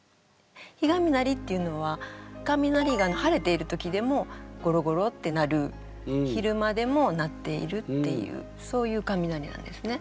「日雷」っていうのは雷が晴れている時でもゴロゴロって鳴る昼間でも鳴っているっていうそういう雷なんですね。